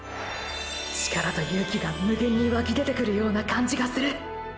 力と勇気が無限に湧き出てくるような感じがする。